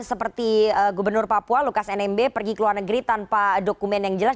seperti gubernur papua lukas nmb pergi ke luar negeri tanpa dokumen yang jelas